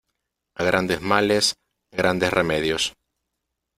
A grandes males, grandes remedios.